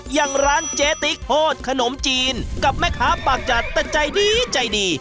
อย่างร้านเจ๊ติ๊กโฮดขนมจีนกับแม่ค้าปากจัดแต่ใจดีใจดี